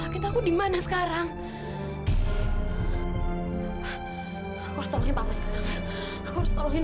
ya tuhan aku